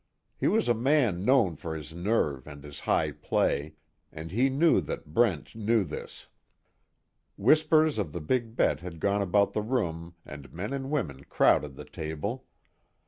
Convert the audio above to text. He was a man known for his nerve and his high play, and he knew that Brent knew this. Whispers of the big bet had gone about the room and men and women crowded the table.